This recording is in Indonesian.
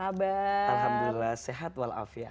alhamdulillah sehat walafiat